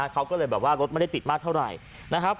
เขาก็เลยแบบว่ารถไม่ได้ติดมากเท่าไหร่นะครับ